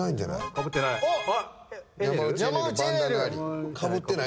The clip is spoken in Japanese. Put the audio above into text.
かぶってないっす。